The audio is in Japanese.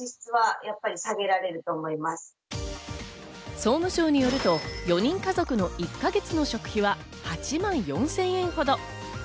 総務省によると、４人家族の１か月の食費は８万４０００円ほど。